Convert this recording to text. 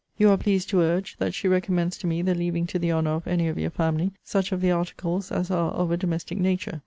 You are pleased to urge, that she recommends to me the leaving to the honour of any of your family such of the articles as are of a domestic nature.